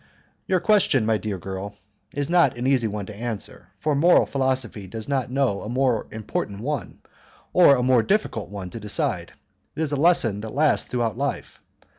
"Your question, my dear girl, is not an easy one to answer, for moral philosophy does not know a more important one, or a more difficult one to decide; it is a lesson which lasts throughout life.